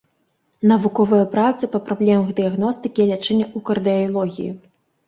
Навуковыя працы па праблемах дыягностыкі і лячэння ў кардыялогіі.